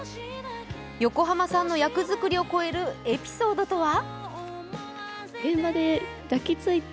横浜さんの役作りを超えるエピソードとは？